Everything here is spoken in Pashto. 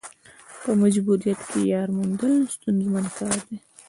په مجبوریت کې یار موندل ستونزمن کار دی.